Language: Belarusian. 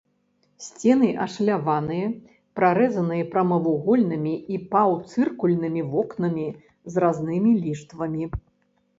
Сцены ашаляваныя, прарэзаныя прамавугольнымі і паўцыркульнымі вокнамі з разнымі ліштвамі.